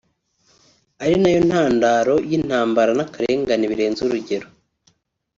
ari na yo ntandaro y’intambara n’akarengane birenze urugero